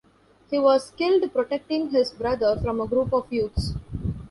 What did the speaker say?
He was killed protecting his brother from a group of youths.